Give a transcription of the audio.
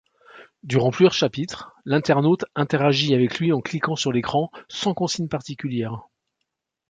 Durant plusieurs chapitres, l'internaute interagit avec lui en cliquant sur l'écran, sans consignes particulières.